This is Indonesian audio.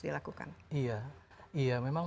dilakukan iya memang